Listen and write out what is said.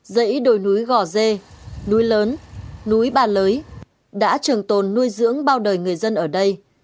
dãy đồi núi gò dê núi lớn núi bà lưới đã trường tồn nuôi dưỡng bao đời người dân ở đây